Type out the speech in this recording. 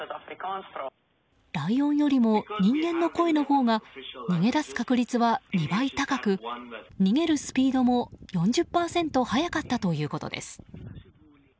ライオンよりも人間の声のほうが逃げ出す確率は２倍高く逃げるスピードも４０％速かったということです。